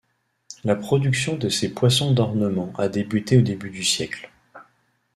La production de ces poissons d'ornement a débuté au début du siècle.